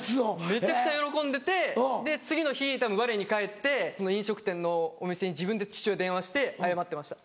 めちゃくちゃ喜んでてで次の日たぶんわれに返って飲食店のお店に自分で父親電話して謝ってました。